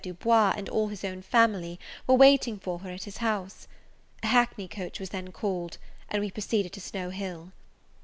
Du Bois, and all his own family, were waiting for her at his house. A hackney coach was then called, and we proceeded to Snow Hill. Mr.